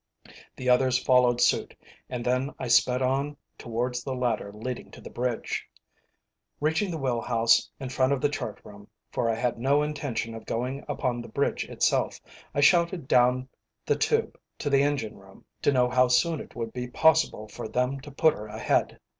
The others followed suit, and then I sped on towards the ladder leading to the bridge. Reaching the wheel house in front of the chart room, for I had no intention of going upon the bridge itself, I shouted down the tube to the engine room, to know how soon it would be possible for them to put her ahead.